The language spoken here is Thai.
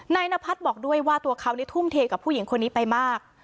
นพัฒน์บอกด้วยว่าตัวเขาทุ่มเทกับผู้หญิงคนนี้ไปมาก